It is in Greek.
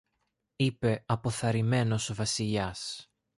είπε αποθαρρυμένος ο Βασιλιάς.